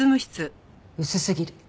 薄すぎる。